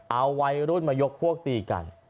เอาวัยรุ่นมายกพวกตีกัน